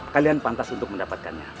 kalian pantas untuk mendapatkannya